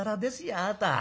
あなた。